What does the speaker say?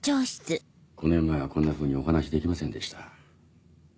５年前はこんなふうにお話しできませんでした。